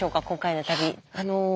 今回の旅。